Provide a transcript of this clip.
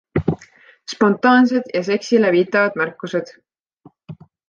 Spontaansed ja seksile viitavad märkused.